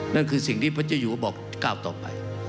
นั่นคือสิ่งที่ปัจจุยัวบอกก้าวต่อไป